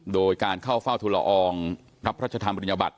โดยการเข้าเฝ้าทุลอองรับพระชธรรมปริญญบัติ